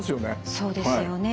そうですよね。